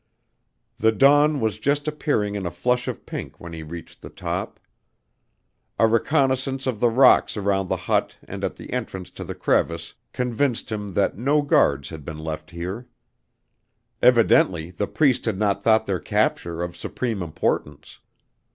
The dawn was just appearing in a flush of pink when he reached the top. A reconnaissance of the rocks around the hut and at the entrance to the crevice convinced him that no guards had been left here. Evidently the Priest had not thought their capture of supreme importance.